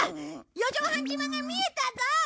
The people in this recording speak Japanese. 四丈半島が見えたぞ！